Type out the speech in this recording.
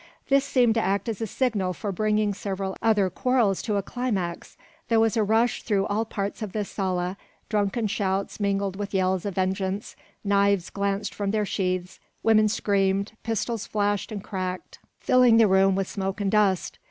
This seemed to act as a signal for bringing several other quarrels to a climax. There was a rush through all parts of the sala, drunken shouts mingled with yells of vengeance, knives glanced from their sheaths, women screamed, pistols flashed and cracked, filling the rooms with smoke and dust.